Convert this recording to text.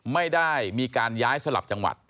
ไม่ได้มีการย้ายสลับจังหวัด